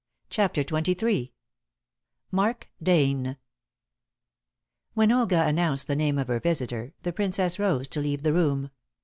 CHAPTER XXIII MARK DANE When Olga announced the name of her visitor, the Princess rose to leave the room.